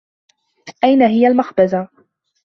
أين هي المخبزة؟